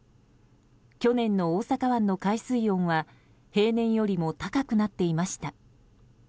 去年の大阪湾の海水温は平年よりも高くなっていました。